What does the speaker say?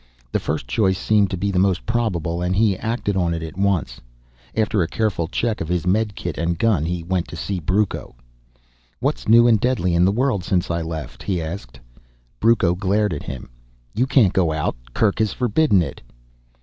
The first choice seemed to be the most probable and he acted on it at once. After a careful check of his medikit and gun he went to see Brucco. "What's new and deadly in the world since I left?" he asked. Brucco glared at him. "You can't go out, Kerk has forbidden it."